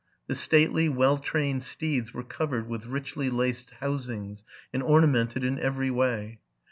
'The stately, well trained steeds were covered with richly laced housings, and ornamented in every way.